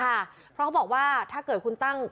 เพราะเขาบอกว่าถ้าเกิดคุณตั้ง